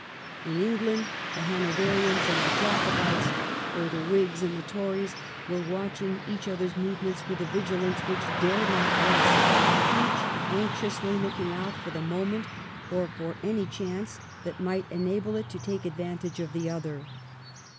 In England the Hanoverians and the Jacobites, or the Whigs and the Tories, were watching each other's movements with a vigilance which dared not rest, each anxiously looking out for the moment or for any chance that might enable it to take advantage of the other.